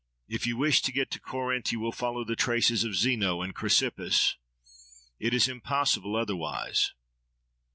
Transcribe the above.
If you wish to get to Corinth, you will follow the traces of Zeno and Chrysippus. It is impossible otherwise.